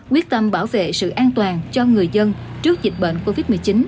quyết tâm bảo vệ sự an toàn cho người dân trước dịch bệnh covid một mươi chín